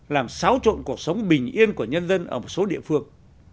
làm xáo trộn cuộc sống bình yên của nhân dân ở một số địa phương